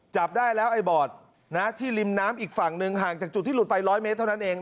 จับได้แล้วไอ้บอดที่ริมน้ำอีกฝั่งหนึ่งห่างจากจุดที่หลุดไป๑๐๐เมตรเท่านั้นเอง